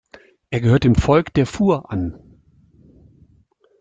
Er gehört dem Volk der Fur an.